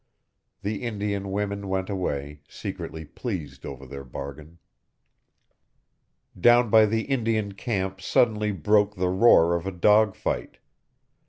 The Indian women went away, secretly pleased over their bargain. Down by the Indian camp suddenly broke the roar of a dog fight.